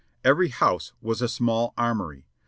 Every house was a small armory.